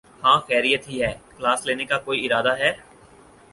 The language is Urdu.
ہاں خیریت ہی ہے۔۔۔ کلاس لینے کا کوئی ارادہ ہے؟